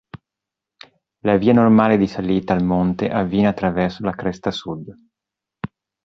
La via normale di salita al monte avviene attraverso la cresta sud.